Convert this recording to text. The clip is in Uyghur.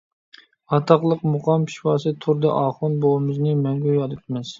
ئاتاقلىق مۇقام پېشۋاسى تۇردى ئاخۇن بوۋىمىزنى مەڭگۈ ياد ئېتىمىز.